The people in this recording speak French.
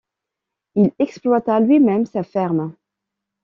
Il exploita lui-même sa ferme.